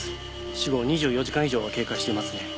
死後２４時間以上は経過していますね。